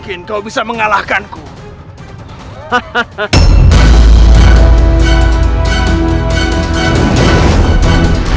kita sebagai bantuan